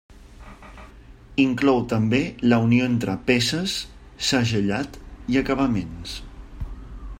Inclou també la unió entre peces, segellat i acabaments.